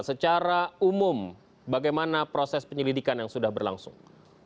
secara umum bagaimana proses penyelidikan yang sudah berlangsung